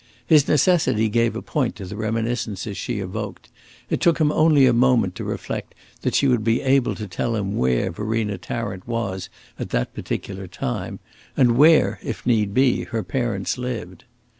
His necessity gave a point to the reminiscences she evoked; it took him only a moment to reflect that she would be able to tell him where Verena Tarrant was at that particular time, and where, if need be, her parents lived.